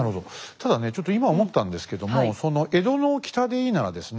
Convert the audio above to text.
ただねちょっと今思ったんですけども江戸の北でいいならですね